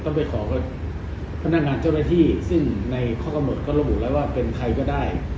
ไปขอกับพนักงานเจ้าหน้าที่ซึ่งในข้อกำหนดก็ระบุแล้วว่าเป็นใครก็ได้